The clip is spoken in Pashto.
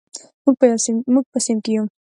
موږ په صنف کې یو.